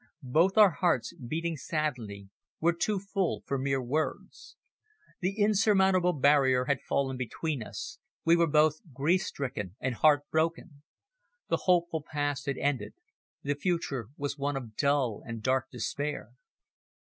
Both our hearts, beating sadly, were too full for mere words. The insurmountable barrier had fallen between us; we were both grief stricken and heart broken. The hopeful past had ended, the future was one of dull and dark despair.